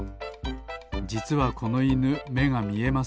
じつはこのいぬめがみえません。